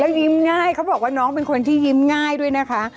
ยิ้มง่ายเขาบอกว่าน้องเป็นคนที่ยิ้มง่ายด้วยนะคะ